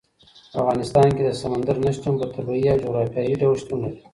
په افغانستان کې د سمندر نه شتون په طبیعي او جغرافیایي ډول شتون لري.